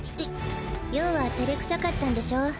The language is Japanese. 葉はてれくさかったんでしょう。